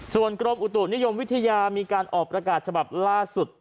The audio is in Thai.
ส่วนกรมอุตุนิยมวิทยามีการออกประกาศฉบับล่าสุด